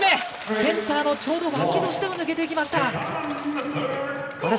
センターのちょうど脇の下を抜けていきました。